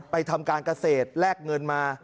ไปทำการเกษตรมาลักไม้